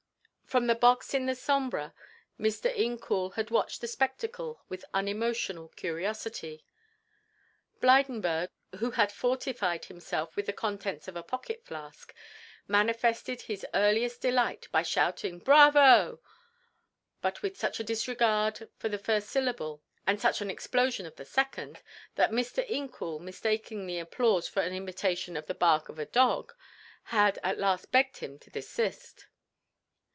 From the box in the sombra Mr. Incoul had watched the spectacle with unemotional curiosity. Blydenburg, who had fortified himself with the contents of a pocket flask, manifested his earliest delight by shouting Bravo, but with such a disregard of the first syllable, and such an explosion of the second, that Mr. Incoul mistaking the applause for an imitation of the bark of a dog had at last begged him to desist.